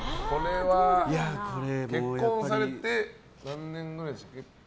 ご結婚されて何年くらいでしたっけ。